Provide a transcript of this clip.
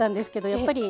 やっぱり